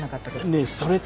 ねえそれってあれ？